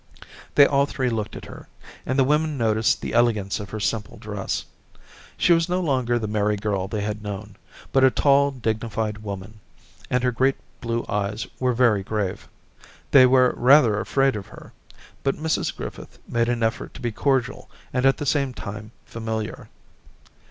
They all three looked at her, and the women noticed the elegance of her simple dress. She was no longer the merry girl they had known, but a tall, dignified woman, and her great blue eyes were very grave. They were rather afraid of her; but Mrs Griffith made an effort to be cordial and at the same time familiar.